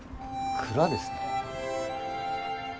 蔵ですね。